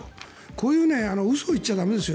こういう嘘を言っちゃ駄目ですよ